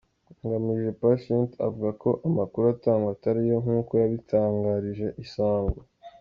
Ngamije Patient avuga ko amakuru atangwa atariyo; nk’uko yabitangarije Isango.